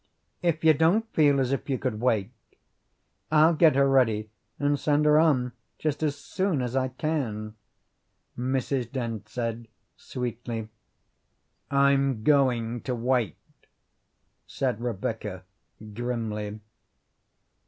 "If you don't feel as if you could wait, I'll get her ready and send her on just as soon as I can," Mrs. Dent said sweetly. "I'm going to wait," said Rebecca grimly.